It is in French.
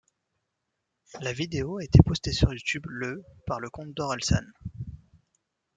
La vidéo a été postée sur YouTube le par le compte d'Orelsan.